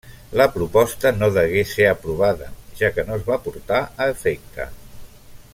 La proposta no degué ser aprovada, ja que no es va portar a efecte.